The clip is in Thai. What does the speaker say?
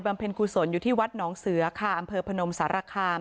บำเพื่อคุศลอยู่ที่วัดหนองเสือข้าวอำเภอภนมสารคาม